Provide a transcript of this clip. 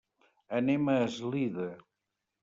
Anem a Eslida.